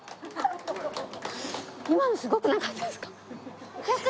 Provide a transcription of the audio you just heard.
今のすごくなかったですか？